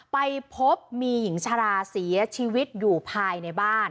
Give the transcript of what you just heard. ไปพบมีหญิงชราเสียชีวิตอยู่ภายในบ้าน